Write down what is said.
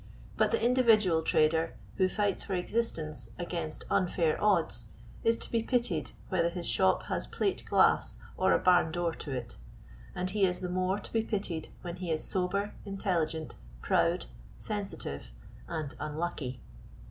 But the individual trader, who fights for existence against unfair odds, is to be pitied whether his shop has plate glass or a barn door to it; and he is the more to be pitied when he is sober, intelligent, proud, sensitive, and unlucky.